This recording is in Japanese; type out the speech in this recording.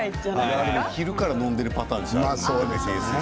昼から飲んでるパターンですか。